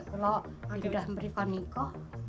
kalau tidak berikan nih kok